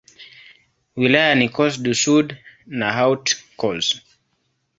Wilaya ni Corse-du-Sud na Haute-Corse.